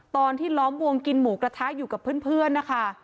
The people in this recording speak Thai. ตอนที่ล้อมวงกินหมูกระทะอยู่กับเพื่อนนะคะ